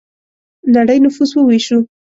نړۍ نفوس وویشو.